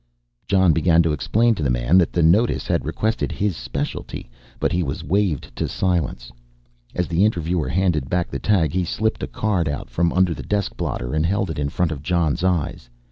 Jon began to explain to the man that the notice had requested his specialty, but he was waved to silence. As the interviewer handed back the tag he slipped a card out from under the desk blotter and held it in front of Jon's eyes.